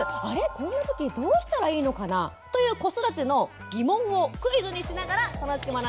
こんな時どうしたらいいのかな？」という子育ての疑問をクイズにしながら楽しく学んでいきたいと思います。